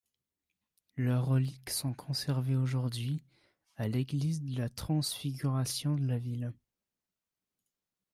Leurs reliques sont conservées aujourd'hui à l'église de la Transfiguration de la ville.